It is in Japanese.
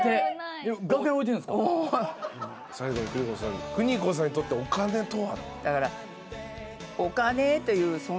最後に邦子さん。邦子さんにとってお金とは？